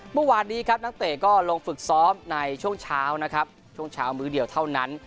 เมื่อวานนี้ครับนักเตะก็ลงฝึกซ้อมในช่วงเช้านะครับช่วงเช้ามื้อเดียวเท่านั้น